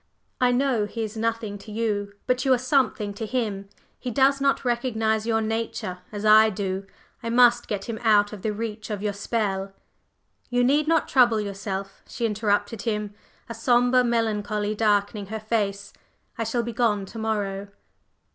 "I know he is nothing to you; but you are something to him. He does not recognize your nature as I do. I must get him out of the reach of your spell " "You need not trouble yourself," she interrupted him, a sombre melancholy darkening her face; "I shall be gone to morrow."